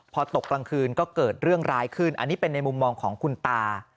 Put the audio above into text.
พอตกกลางคืนก็เกิดเรื่องร้ายขึ้นอันนี้เป็นในมุมมองของคุณตา